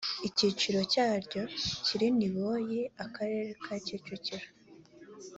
icyiciro cyaryo kiri niboyi akarere ka kicukiro